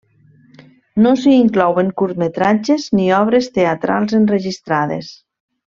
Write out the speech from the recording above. No s'hi inclouen curtmetratges ni obres teatrals enregistrades.